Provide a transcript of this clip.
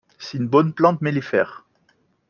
C'est une bonne plante mellifère.